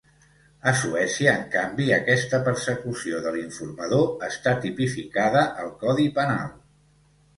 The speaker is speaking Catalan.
A Suècia, en canvi, aquesta persecució de l’informador està tipificada al codi penal.